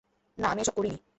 না, আমি এসব করিনি।